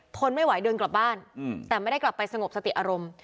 ทนไม่ไหวเดินกลับบ้านแต่ไม่ได้กลับไปสงบสติอารมณ์